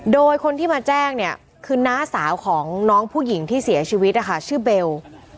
โดยคนที่มาแจ้งเนี่ยคือน้าสาวของน้องผู้หญิงที่เสียชีวิตนะคะชื่อเบล